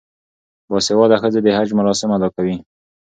باسواده ښځې د حج مراسم ادا کوي.